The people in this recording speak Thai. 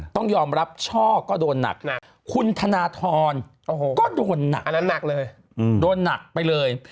ต้องยอมรับช่อก็โดนหนักคุณธนทรก็โดนหนักเลยโดนหนักไปเลย